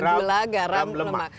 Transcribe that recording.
gula garam lemak